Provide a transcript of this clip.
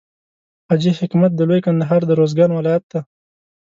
حاجي حکمت د لوی کندهار د روزګان ولایت دی.